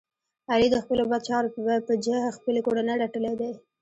علی د خپلو بد چارو په جه خپلې کورنۍ رټلی دی.